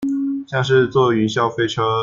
像是坐雲霄飛車